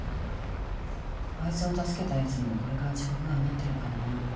あいつを助けたやつにもこれから地獄が待ってるかもな。